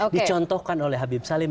dicontohkan oleh habib salim